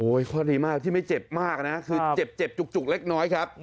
ข้อดีมากที่ไม่เจ็บมากนะคือเจ็บจุกเล็กน้อยครับ